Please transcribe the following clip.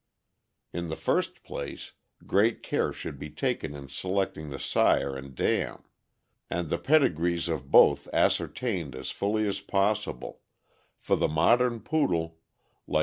In the first place, great care should be taken in * selecting the sire and dam, and the pedigrees of both ascer tained as fully as possible, for the modern Poodle, like THE POODLE.